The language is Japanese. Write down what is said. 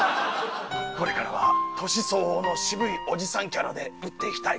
これからは年相応の渋いおじさんキャラで売って行きたい。